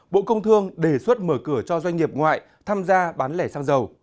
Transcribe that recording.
bộ công thương đề xuất mở cửa cho doanh nghiệp ngoại tham gia bán lẻ xăng dầu